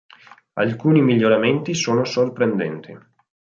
Alcuni miglioramenti sono sorprendenti.